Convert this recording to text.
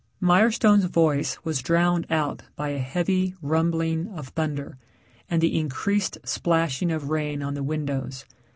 Mirestone's voice was drowned out by a heavy rumbling of thunder and the increased splashing of rain on the windows.